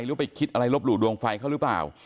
หรือไปคิดอะไรลบหลู่ดวงไฟเขาหรือเปล่า